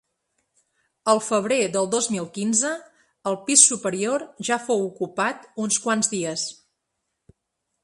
El febrer del dos mil quinze, el pis superior ja fou ocupat uns quants dies.